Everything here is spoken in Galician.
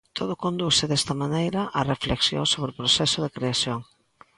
Todo conduce, desta maneira, á reflexión sobre o proceso de creación.